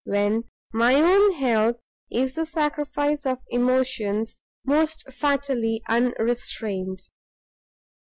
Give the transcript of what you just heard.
when my own health is the sacrifice of emotions most fatally unrestrained.